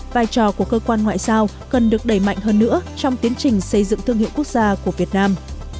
vai trò của cơ quan ngoại giao cần được đẩy mạnh hơn nữa trong tiến trình xây dựng thương hiệu quốc gia của việt nam